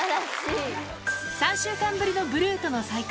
３週間ぶりのブルーとの再会。